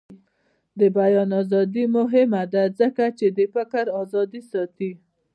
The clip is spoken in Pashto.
د بیان ازادي مهمه ده ځکه چې د فکر ازادي ساتي.